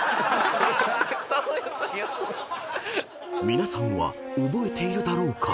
［皆さんは覚えているだろうか？］